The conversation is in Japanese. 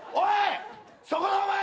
そこのお前！